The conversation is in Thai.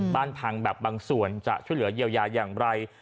บ้านพังแบบบางส่วนจะช่วยเหลือเยียวยาอย่างไร